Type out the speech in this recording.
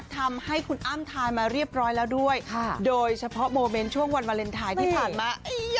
ทำให้คุณอ้ำทานมาเรียบร้อยแล้วด้วยโดยเฉพาะโมเมนต์ช่วงวันวาเลนไทยที่ผ่านมา